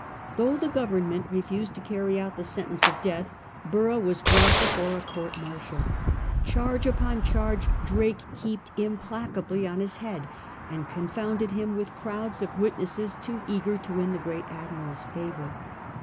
Though the Grovem ment refused to carry out the sentence of death, Borough was brought before a court martial Charge upon charge Drake heaped implacably on his head, and con founded him with crowds of witnesses too eager to win the great Admiral's favour.